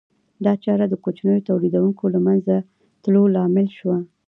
دا چاره د کوچنیو تولیدونکو د له منځه تلو لامل شوه